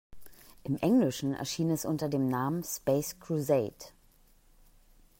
Im Englischen erschien es unter dem Namen "Space Crusade".